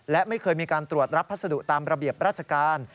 และไม่เคยมีการตรวจรับพัสดุตามระเบียบราชการ